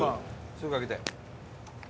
すぐ開けて。